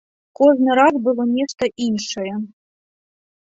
Кожны раз было нешта іншае.